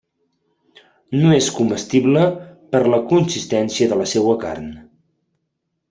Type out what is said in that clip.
No és comestible per la consistència de la seua carn.